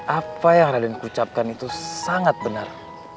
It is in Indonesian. apa yang raden kucapkan itu sangat benar